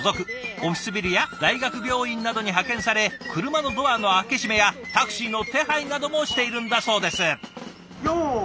オフィスビルや大学病院などに派遣され車のドアの開け閉めやタクシーの手配などもしているんだそうです。